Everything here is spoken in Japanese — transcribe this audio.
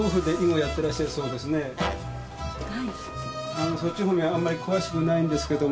あのーそっち方面あんまり詳しくないんですけども。